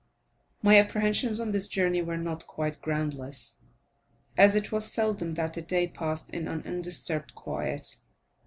My apprehensions on this journey were not quite groundless, as it was seldom that a day passed in undisturbed quiet.